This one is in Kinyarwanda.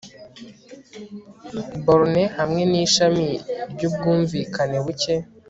Borne hamwe nishami ryubwumvikane buke